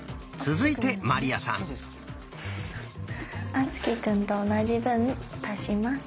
敦貴くんと同じ分足します。